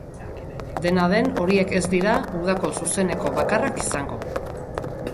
Dena den, horiek ez dira udako zuzeneko bakarrak izango.